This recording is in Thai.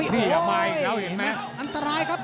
นี่มายน้าวเห็นมั้ย